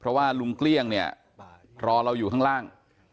เพราะว่าลุงเกลี้ยงเนี่ยรอเราอยู่ข้างล่าง